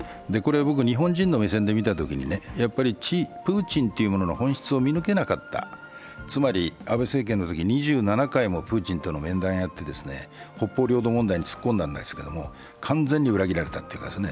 日本人の目線で見たときに、プーチンというものの本質を見抜けなかった、つまり安倍政権のときに２７回もプーチンとの面談をやって北方領土問題に突っ込んだんですけど完全に裏切られたんですね。